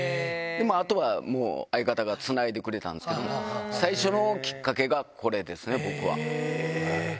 あとはもう、相方がつないでくれたんですけど、最初のきっかけがこれですね、僕は。